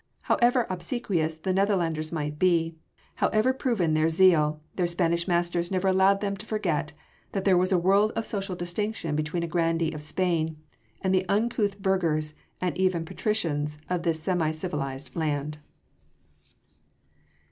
However obsequious the Netherlanders might be however proven their zeal, their Spanish masters never allowed them to forget that there was a world of social distinction between a grandee of Spain and the uncouth burghers and even patricians of this semi civilised land.